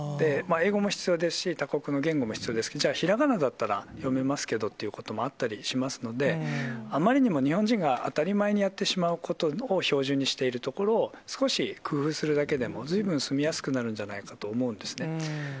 英語も必要ですし、他国の言語も必要です、じゃあひらがなだったら読めますけどということもあったりしますので、あまりにも日本人が当たり前にやってしまうことを標準にしているところを、少し工夫するだけでも、ずいぶん住みやすくなるんじゃないかと思うんですね。